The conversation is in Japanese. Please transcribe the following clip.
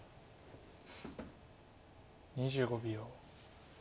２５秒。